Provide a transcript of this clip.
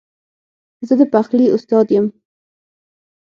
زه د پخلي استاد یم